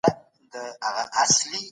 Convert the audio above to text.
په مالونو کي له زکات پرته هم نور حقوق سته.